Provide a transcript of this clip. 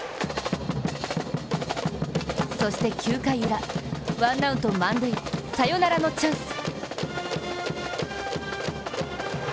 そして９回ウラ、ワンアウト満塁サヨナラのチャンス。